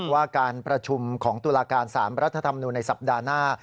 ว่าการประชุมของตุลาการ๓รัฐธรรมนูลในสัปดาห์หน้า